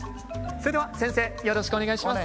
それでは先生よろしくお願いします。